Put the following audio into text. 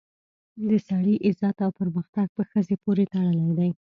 د سړي عزت او پرمختګ په ښځې پورې تړلی دی